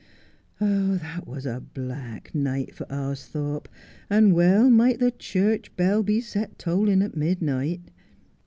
Ah ! that was a black night for Austhorpe, and well might the church bell be set tolling at midnight.